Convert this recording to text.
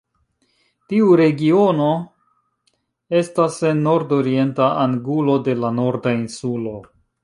Tiu regiono estas en nordorienta angulo de la Norda Insulo.